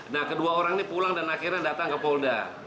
nah kedua orang ini pulang dan akhirnya datang ke polda